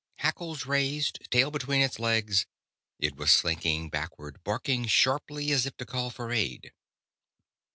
Hackles raised, tail between its legs, it was slinking backward, barking sharply as if to call for aid.